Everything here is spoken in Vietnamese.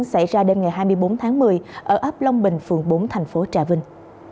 xảy ra đêm ngày hai mươi bốn tháng một mươi ở ấp long bình phường bốn thành phố trà vinh